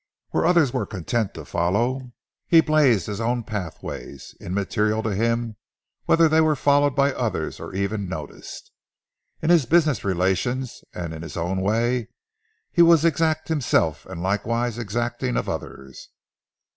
Where others were content to follow, he blazed his own pathways—immaterial to him whether they were followed by others or even noticed. In his business relations and in his own way, he was exact himself and likewise exacting of others.